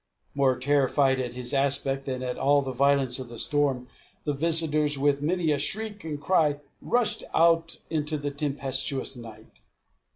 More terrified at his aspect than at all the violence of the storm, the visitors, with many a shriek and cry, rushed out into the tempestuous night.